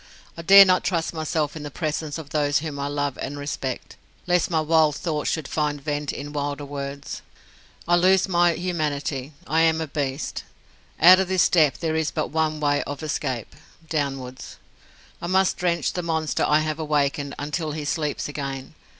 I dare not trust myself in the presence of those whom I love and respect, lest my wild thoughts should find vent in wilder words. I lose my humanity. I am a beast. Out of this depth there is but one way of escape. Downwards. I must drench the monster I have awakened until he sleeps again.